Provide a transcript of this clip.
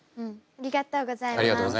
ありがとうございます。